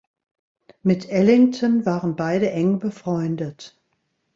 Mit Ellington waren beide eng befreundet.